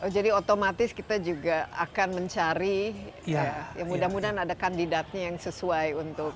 jadi otomatis kita juga akan mencari ya mudah mudahan ada kandidatnya yang sesuai untuk